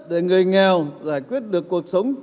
để người nghèo giải quyết được cuộc sống